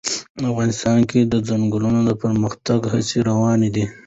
افغانستان کې د ځنګلونه د پرمختګ هڅې روانې دي.